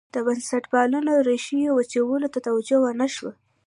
د بنسټپالنې ریښو وچولو ته توجه ونه شوه.